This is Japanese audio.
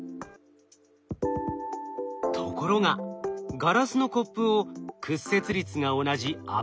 ところがガラスのコップを屈折率が同じ油に入れると。